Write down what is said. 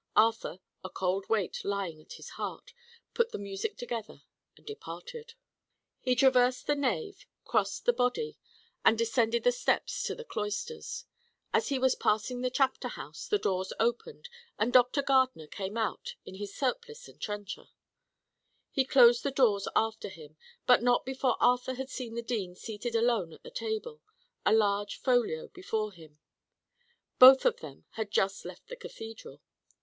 Arthur, a cold weight lying at his heart, put the music together, and departed. He traversed the nave, crossed the body, and descended the steps to the cloisters. As he was passing the Chapter House, the doors opened, and Dr. Gardner came out, in his surplice and trencher. He closed the doors after him, but not before Arthur had seen the dean seated alone at the table a large folio before him. Both of them had just left the Cathedral.